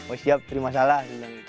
oh siap terima salah